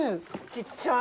ちっちゃっ。